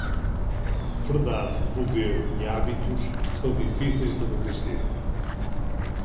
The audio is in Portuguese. Verdade, poder e hábitos são difíceis de resistir.